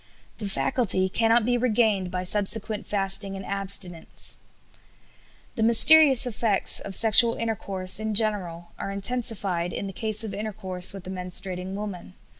The faculty cannot be regained by subsequent fasting and abstinence." The mysterious effects of sexual intercourse in general are intensified in the case of intercourse with a menstruating woman.